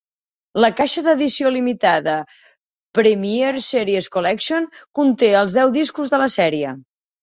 La caixa dedició limitada Premier Series Collection conté els deu discos de la sèrie.